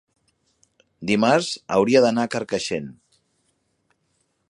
Dimarts hauria d'anar a Carcaixent.